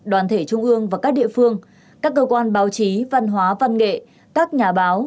đoàn thể trung ương và các địa phương các cơ quan báo chí văn hóa văn nghệ các nhà báo